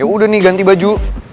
udah nih ganti baju